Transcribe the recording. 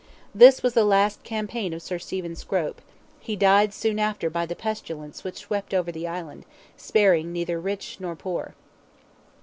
This was the last campaign of Sir Stephen Scrope; he died soon after by the pestilence which swept over the island, sparing neither rich nor poor.